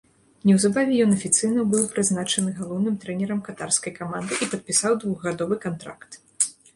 Неўзабаве ён афіцыйна быў прызначаны галоўным трэнерам катарскай каманды і падпісаў двухгадовы кантракт.